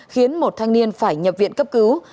khiến một thanh niên phải nhập viện cấp cứu